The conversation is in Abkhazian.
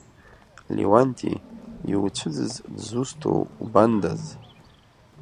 Леуанти, иуцәыӡыз дзусҭоу убандаз!